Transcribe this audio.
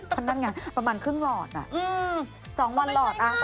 ทำงานไงประมาณครึ่งหลอดอ่ะ